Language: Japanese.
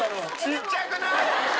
ちっちゃくない？